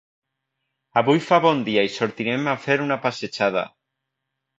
Avui fa bon dia i sortirem a fer una passejada.